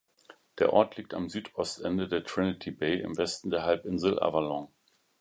Der Ort liegt am Südostende der Trinity Bay im Westen der Halbinsel Avalon.